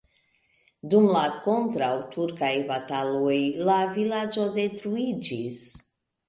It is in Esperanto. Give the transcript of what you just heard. Dum la kontraŭturkaj bataloj la vilaĝo detruiĝis.